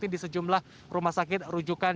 di sejumlah rumah sakit rujukan